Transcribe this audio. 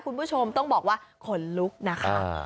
คุณผู้ชมต้องบอกว่าขนลุกนะคะ